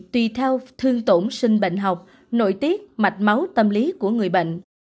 tùy theo thương tổn sinh bệnh học nội tiết mạch máu tâm lý của người bệnh